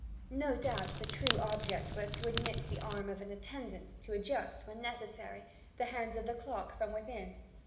No doubt the true object was to admit the arm of an attendant, to adjust, when necessary, the hands of the clock from within.